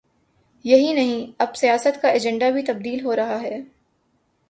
یہی نہیں، اب سیاست کا ایجنڈا بھی تبدیل ہو رہا ہے۔